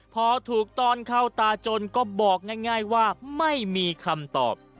พอถูกตอนเข้าตาจนก็บอกง่ายว่าไม่มีคำตอบ